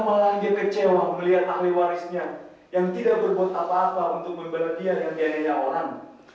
bukannya malah dia kecewa melihat ahli warisnya yang tidak berbuat apa apa untuk membener dia yang dianyai orang